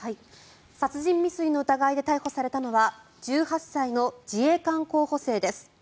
殺人未遂の疑いで逮捕されたのは１８歳の自衛官候補生です。